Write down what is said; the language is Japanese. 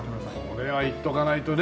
これはいっとかないとね。